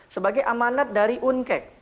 sebagai amanat dari unkec